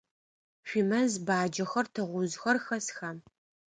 Шъуимэз баджэхэр, тыгъужъхэр хэсха?